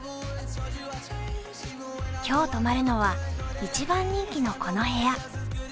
今日泊まるのは一番人気のこの部屋。